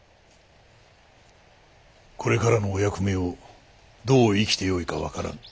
「これからのお役目をどう生きてよいか分からぬ」。